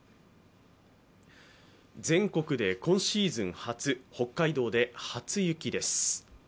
全国で今シーズン初北海道で初雪です。